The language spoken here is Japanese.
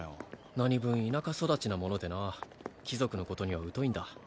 何分田舎育ちなものでな貴族のことには疎いんだ